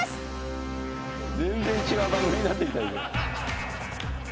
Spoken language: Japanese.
全然違う番組になってるじゃん。